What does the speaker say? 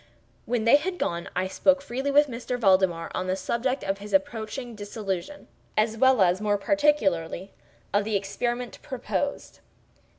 When they had gone, I spoke freely with M. Valdemar on the subject of his approaching dissolution, as well as, more particularly, of the experiment proposed.